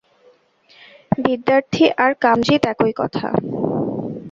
বিদ্যার্থী আর কামজিৎ একই কথা।